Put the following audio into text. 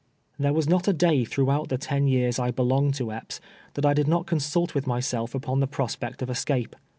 TLere was not a day tlirougLout tlie ten years I be longed to Epps tliat I did not consult witli myself upon tlie prospect of escape.